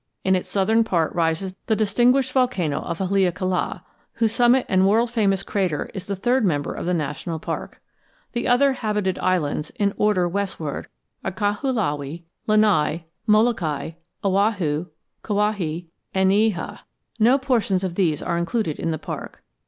In its southern part rises the distinguished volcano of Haleakala, whose summit and world famous crater is the third member of the national park. The other habited islands, in order westward, are Kahoolawe, Lanai, Molokai, Oahu, Kauai, and Niihau; no portions of these are included in the park.